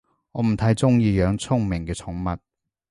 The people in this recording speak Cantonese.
我唔太鍾意養聰明嘅寵物